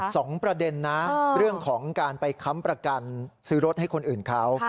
สองประเด็นนะเรื่องของการไปค้ำประกันซื้อรถให้คนอื่นเขา